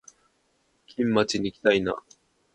金町にいきたいな